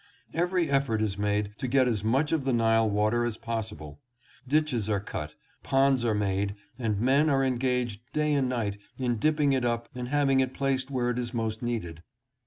Every effort is made to get as much of the Nile water as possible. Ditches are cut, ponds are made, and men are engaged day and night in dipping it up and having it placed where it is most needed.